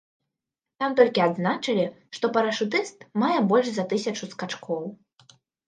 Там толькі адзначылі, што парашутыст мае больш за тысячу скачкоў.